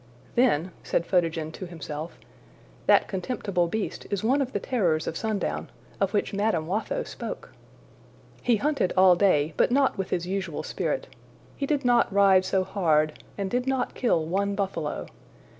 ``Then,'' said Photogen to himself, ``that contemptible beast is one of the terrors of sundown, of which Madame Watho spoke!'' He hunted all day, but not with his usual spirit. He did not ride so hard, and did not kill one buffalo.